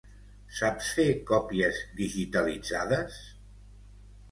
Saps fer còpies digitalitzades?